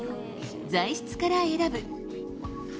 材質から選ぶ。